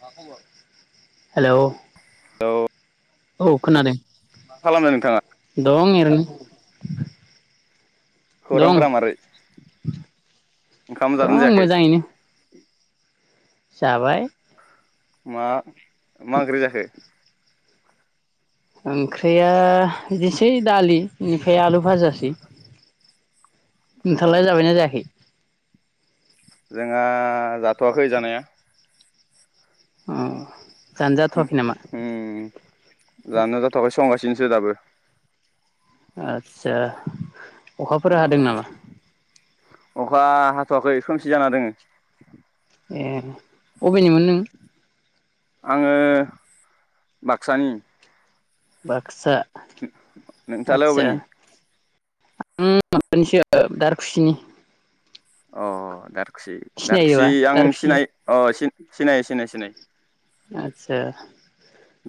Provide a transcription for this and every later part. मा खबर? हेलो। हौ औ खोनादों। मा खालामदों नोंथाङालाय? दंं एरैनो। [inaudible] खौरांफोरा मारै ओंखाम जादों ना दं जायाखै? मोजाङैनो जाबाय। मा? मा ओंख्रि जाखो? ओंख्रिया दिसै दालि बिनि फ्राय आलु भाजासै। ओ नोंथाङालाय जाबायना जायाखै? जोंहा जाथ'वाखै जानाया। उम। हम उम जानो जाथ'आखै संगासिनो दो दाबो। आदसा। अखाफोर हादों नामा अखा हाथ'वाखै। खोमसि जाना दोङो। उम अबेनिमोन नों? आङो बाकसानि। बाकसा। नोंथाङालाय अबेनि? ओम माबानिसो दारखुसिनि। अ दार खुसि दारखुसि सिनायोबा आं दारखुसि सिनाय अ सि सिनायो सिनायो सिनायो। आदसा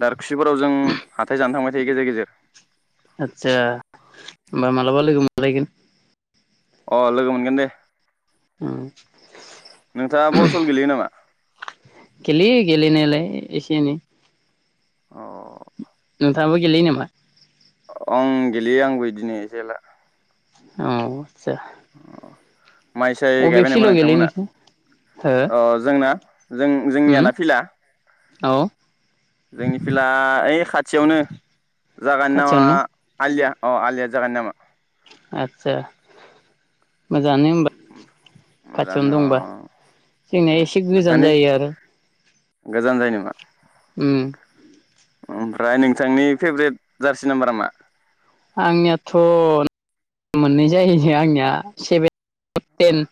[inaudible] दारखुसिफोराव जों हाथाय जानो थांबाय, थायो गेजेर गेजेर। आदसा मा मालाबा लोगो मोन लायगोन अ लोगो मोनगोन दे। ओम नोंथाङा बल सल गेलेयो नामा? गलेयो गेलेनायालाय एसे एनै अ नोंथाङाबो गेलेयो नामा? ओं गेलेयो आंबो बिदिनो एसे एला, उम सा माइ-साय गायबाय फिल्डआव गेलेयो नोंथांमोना? नोंसोर अ हो जोंना जों उम जोंनियाना फिला औ जोंनि फिला ओइ खाथियावनो जागानि नामा खाथियावनो आलिया अ आलिया जागानि नामा। आदसा मो जाङानो होनबा खाथियावनो जानो दंबा अ जोंनिया एसे गोजान नोंथांनि जायो आरो गोजान जायो नामा? ओम ओमफ्राय नोंथांनि फेभरेट जार्सि नाम्बारा मा? आंनियाथ मोननै जाहैनो आंनिया सेभेन टप टेन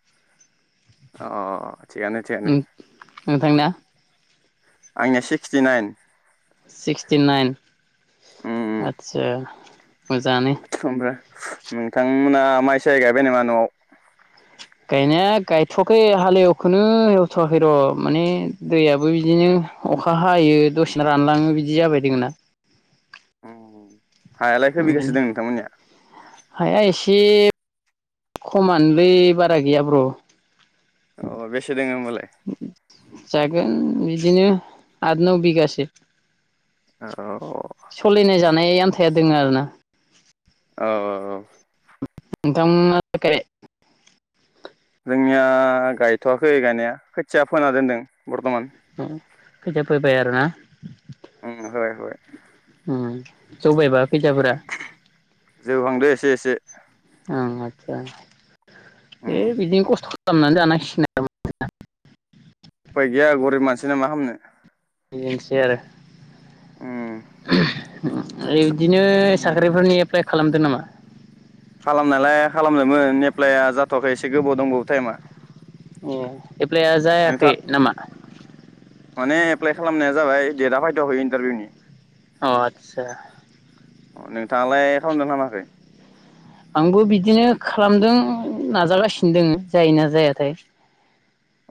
अ अ अ थिगानो थिगानो। नोंथांना? आंनिया सिक्सटि नाइन सिक्सटि नाइन उम आदसा, मोजाङानो। ओमफ्राय नोंथांमोना माइ साय गायबाय नामा नआव? गायनाया गाय थयाखै हालेवखौनो एवथवाखै र माने दैयाबो बिदिनो अखा हायो दसेनो रानलाङो बिदि जाबाय दोङोना। हायालाय खै उम बिगासो बिनि दों नोंथांमोननिया हाया एसे, खमानोलै बारा गैयाब्र औ बेसे दोङो होमबालाय जागोन बिस बिदिनो आद नौ बिगासो अ औ सोलिनाय जानाय आन्थाया दोङ आरो ना औ औ औ नोंथां [unintelligible] जोंनिया गायथवाखै गायनाया खोथिया फोना दोनदों बर्थमान अ खैथिया फैबाया आरोना ओम होबाय होबाय ओ जौबायबा खैथियाफोरा जौहांदो एसे एसे अ आतसा उम ए बिदिनो खस्थ खालामनानै जानांसिनो आरो [unintelligible] उफाय गैया गरिब मानसि ना मा खालामामनो बिदिनोसै आरो उम बिदिनो साख्रिफोरनि एफ्लाय खालामदो नामा खालामनायालाय खालामदोंमोन एप्लइया जाथ याखै एसे गोबाव दंबावो टाइमा एफ्लाआ जायाखै नोंथां नामा माने एप्लाइ खालामनाया जाबाय डेटआ फायदाव होयो इन्टारभिउ नि अ आतसा अ नोंथाङालाय खालामदोंना खामाखै आंबो बिदिनो खालामदों नाजागासिनो दङो जायो ना जायाथाय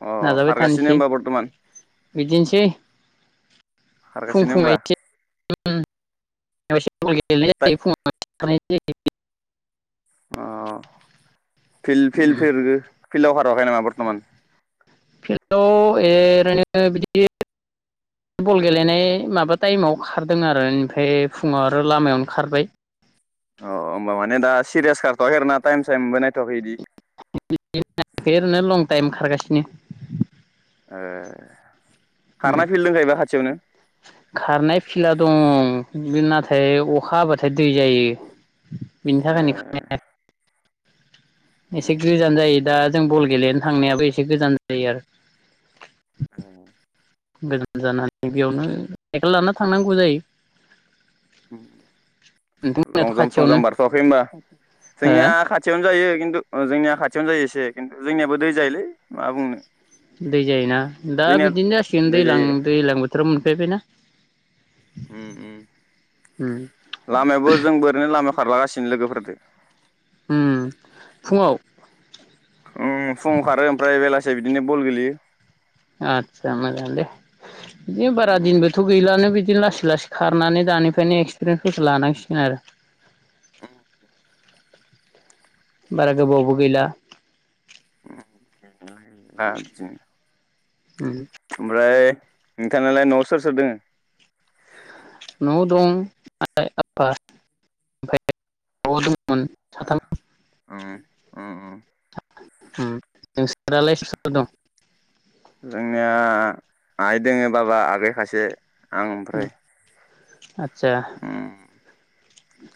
अ नाजाबाय खारगासिनो थानोसै होमबा बर्थ'मान बिदिनोसै फुं खारगासिनो होमबा दा [unintelligible] [unintelligible] अ फिल-फिल जायो -फिरिरि फिलाव खा थयाखै नामा बर्टमान फिल्डआव ओरैनो बिदि बल गेलेनाय माबा टाइमाव खारदों आरो ओमफ्राय फुङाव आरो लामायावनो खारबाय अ होमबा मानि दा सिरियास खारथवाखैना टाइम साइमबो नायथखै इदि ओरैनो लं टाइम खारगासिनो ए उम खारनाय फिल्ड दंखायोबा खाथियावनो खारनाय फिला दं नाथाय अखा हाब्लाथाय दै जायो बिनि थाखायनो ए खो- एसे गोजान जायो दा जों बल गेलेनो थांनायाबो एसे गोजान जायो आरो ओम गोजान जानानै बेयावनो साइकेल लाना थांनांगौ जायो। नोंथांमोनाथ' लंजाम खाथियावनो संजाम बारथवाखै होनबा हो जोंनिया खाथियावनो जायो खिन्थु अ जोंनिया खाथियावनो जायो एसे खिन्थु जोंयाबो दै जायोलै माबा बुंनो। दै जायोना दा जोंनिया बिदिनो जासिगोन दै दैलां जायो दैलां बोथोराव मोनफैबाय ना। उम्म उम उम्म लामायाबो जों बोरैनो लामाखौ खारलागासिनो लोगोफोरदो ओम फुङाव ओं फुुंङाव खारो ओमफ्राय बेलासि बिदिनो बल गेलेयो। आथसा मोजां दे बिदिनो बारा उम दिनबोथ गैलानो बिदि लासै लासै खारनानै दानिफ्रायनो एक्सपिरियेन्सफोरखौ लानांसिगोन आरो। बारा गोबावबो गैला। आ बिदिनो उम ओमफ्राय नोंथांङालाय न'आव‌ सोर सोर दोंङो? न' दं आइ आफा ओनफाय [inaudible] ओ उम्म उम्म उम्म नोंसोरालाय सोर सोर दं? जोंनिया आइ दोङो बाबा आगै खासे। आं ओमफ्राय। आथ सा उम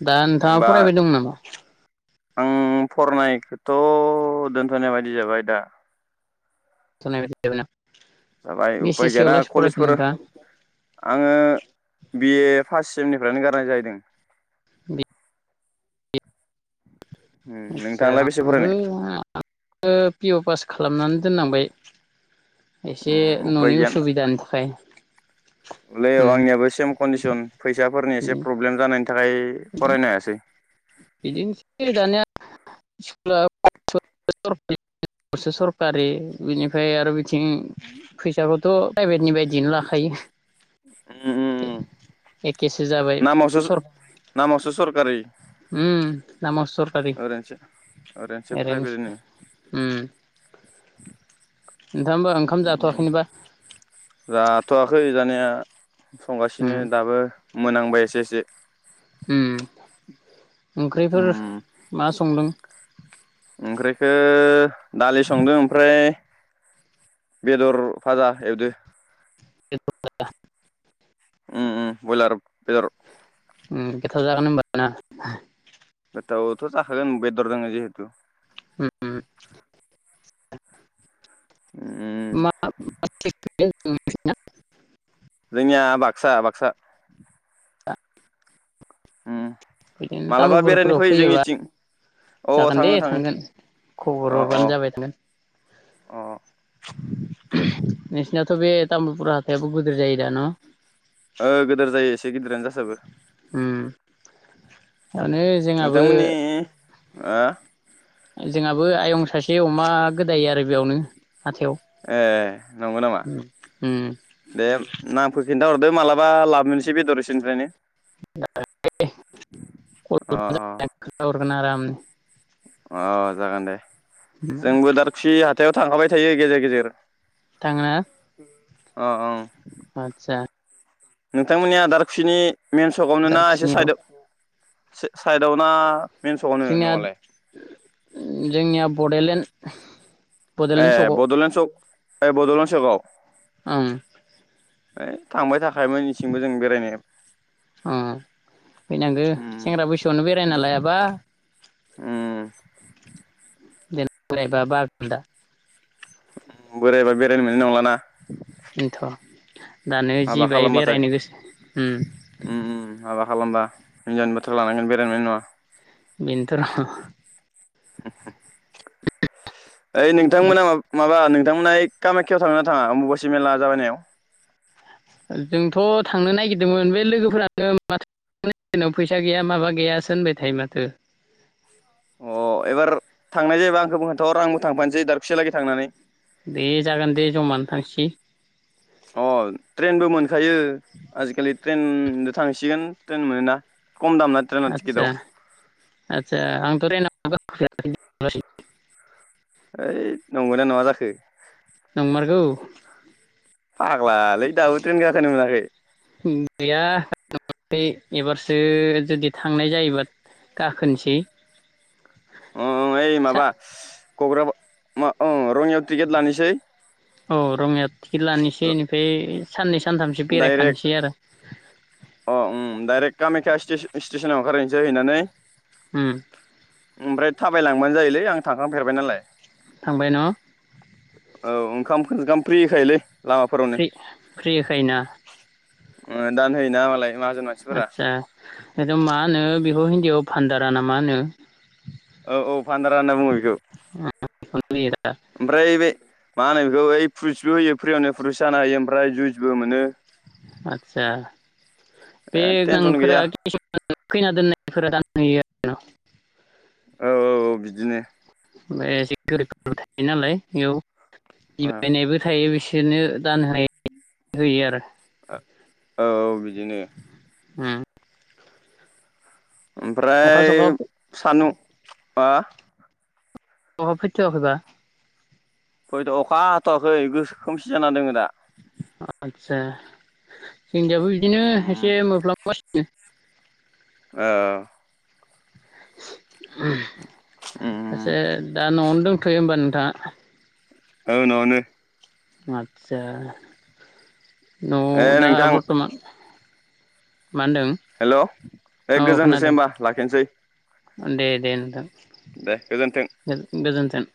दा नोंथांङा होमबा फरायबाय दं नामा? आं फरायनायखौथ दोनथनाय बायदि जाबाय दा। [unintelligible] जाबाय उफाय बेसेसोआव गैयाना लासै फरायखो कलेजफोर नोंथाङा आंङो बि ए पाससिमनिफ्रायनो गारनाय जाहैदों बि उम आदसा नोंथाङालाय बेसे आंबो फरायनाय [unintelligible] पि अ फास खालामनानै दोननांबाय। एसे उम्म उफाय न'नि गैयाना उसुबिदानि थाखाय औलै औ उम आंनियाबो सेम कन्दिसन फैसाफोरनि एसे प्रब्लेम जानायनि थाखाय फरायनो हायासै। [inaudible] सरखारि बिनिफ्राय आरो बिथिं फैसाखौथ प्राइभेटनि बायदियैनो लाखायो। उम्म उम्म एखेसो जाबाय उम्म नामावसो सर नामावसो सरकारि उम नामाव सरकारि ओरैनोसो ओरैनोसो प्राइभेट होनो। उम नोंथां होमबा ओंखाम उम्म जाथ'वाखैनोबा जाथवाखै। जानाया उम संगासिनो दाबो मोनांबाय एसे एसे ओम ओंख्रिफोर उम मा संदों ओंख्रिखौ दालि संदों ओमफ्राय बेदर फाजा एवदो [unintelligible] ओम ओम बयलार बेदर ओम गोथाव जागोन होमबा ना गोथावथ जाखागोन बेदर दङ जिहेथु ओम ओम उम [unintelligible] [unintelligible] जोंनिया बाक्सा बाक्सा ओम बिदिनो तामुलपुरफोराव फैयोबा अ जागोन दे थाङो थाङो थांगोन खबर अ अ हरबानो जाबाय थांगोन अ नोंसिनाथ बे तामुलपुर हाथाइयाबो गोदोर जायो दा न ओ गोदोर जायो एसे गिदिरानो जा ओम माने जोंहाबो आह जोंहाबो आयं सासे अमा गोदायो आरो बेयावनो हाथायाव ए नंगौ नामा उम दे नामफोर खिन्थाहर हरदो मालाबा लाबोनोसै बेदर इसोरनिफ्रायनो अ अ [unintelligible] गोन आरामनो अ जागोन दे जोंबो दारखुसि हाथाइयाव थांखाबाय थायो गेजेर गेजेर थाङो ना अ औ आतसा नोंथांमोननि दारखुसिनि मेेन सकआवनो ना एसे दारखुसिनियाव साइदआव साइदआव ना मेन सकावनो जोंनिया नआलाय जोंनिया बडलेण्ड ए बड'लेण्ड सकआव बडलेण्ड सख ए बडलेण्ड सकाव ओं ए थांबाय थाखायोमोन इसिंबो जों बेरायनो अम फैनांगो उम सेंग्रा बैसोआवनो बेरायना लायाबा उम देनां बोरायबा बागोन्दा। बोरायबा बेरायनो मोननाय नंलाना। बेथ' दानो हाबा जिबाय खालामबाथाय बेरायनो गोसो उम उम हाबा खालामबा हिनजावनि बाथ्रा लानांगोन बेरायनो मोननाय नङा। बेनोथ' र'। [unintelligible] ओइ नोंथांमोना माबा नों नोंथांमोना कामाख्याव थाङोना थाङा अम्बुबासि मेला जाबायनायाव? जोंथ' थांनो नागिरदोंमोन बे लोगोफोरानो माथो फैसा गैया माबा गैयासो होनबाय थायो माथो। अ एबार थांनाय जायोबा आंखौबो खोनथाहर आंबो थांफानोसै दारखुसियालागै थांनानै। दे जागोन दे जमानो थांसै। अ ट्रेनबो मोन खायो आजिखालि ट्रेन थांसिगोन ट्रेन मोनोना। खम दाम ना ट्रेना आच्छा टिकेटआव आच्छा आंथ' ट्रेनाव गाखो [unintelligible] [inaudible] ओइ नंगौना नङा जाखो? [inaudible] फाग्ला लै दाबो ट्रेन गाखोनो मोनाखै गैया [unintelligible] एबारसो जुदि थांनाय जायोबा गाखोनिसै। अ ओइ माबा घग्रा मा रङियायाव टिकेट लानिसै। औ रङिया। टिकेट लानिसै इनिफाय साननै सानथामसो डाइरेक्ट बेरायखानोसै आरो अ उम डाइरेक्ट कामाख्या स्टि-स्टेसनाव ओंखारहैनोसै। जाहैनानै होम ओमफ्राय थाबायलांबानो जायोलै आं थांखांफेरबाय नालाय। थांबाय न'? औ ओंखाम ओंखाम फ्रि होखायोलै। लामाफोरावनो फ्रि-फ्रि होखायोना? ओ दान होयोना मालाय। माहाजोन मानसिफोरा आच्छा मा होनो बिखौ हिन्दीयाव भान्दा राना मा होनो? औ औ भानदारा होनना बुङो बेखौ। बेखौनो होयो दा। ओमफ्राय बे माहोनो गोै फ्रुइ्सबो होयो फ्रियावनो फ्रुइस जानो हायो ओमफ्राय जुइसबो मोनो आतसा बे ए टेनसन गैया [unintelligible] खैना दोननायफोरा दानहैयो आरो ना औ औ औ बिदिनो ओमफ्राय एसे गोरिब [unintelligible] थायो नालाय औ बेयाव [unintelligible] नायबो थायो बिस बिसोरनो दानाय होनाय होयो आरो औ औ बि बिदिनो उम अखा ओमफ्राय सखा सानु बा अखा फैथआखैबा। [unintelligible] अखा हाथवाखै गोसो खोमसि जाना दङो दा आतसा जोंनियाबो बिदिनो उम एसे मोफ्लामगासिनो औ उम सासे दा नआवनो दं फैयो होमबा नोंथाङा औ नआवनो आतसा न ए दा बर्थमान मा होनदों हेलौ ए गोजोनथसै होनबा लाखिनोसै। दे-दे नोंथां। दे गोजोनथों‌। गोजोन्थों।